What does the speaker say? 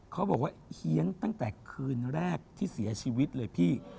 เขาบอกว่าเฮียนตั้งแต่คืนแรกที่เสียชีวิตเลยพี่